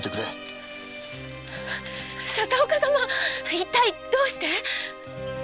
一体どうして！？